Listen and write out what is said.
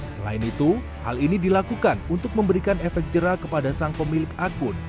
selain itu hal ini dilakukan untuk memberikan efek jerah kepada sang pemilik akun